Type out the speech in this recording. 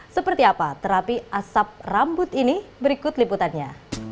seperti apa terapi asap rambut ini berikut liputannya